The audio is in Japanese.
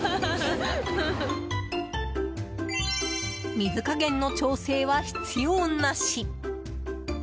水加減の調整は必要なし。